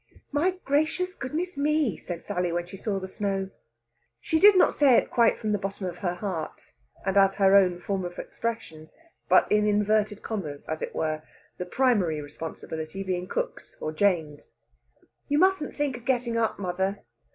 "My gracious goodness me!" said Sally, when she saw the snow. She did not say it quite from the bottom of her heart, and as her own form of expression; but in inverted commas, as it were, the primary responsibility being cook's or Jane's. "You mustn't think of getting up, mother."